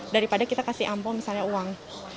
daripada kita kasih ampuh misalnya uang